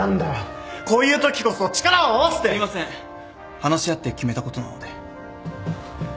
話し合って決めたことなので